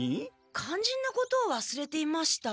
かんじんなことをわすれていました。